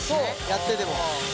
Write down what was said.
やってても。